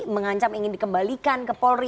mengancam ingin dikembalikan ke polri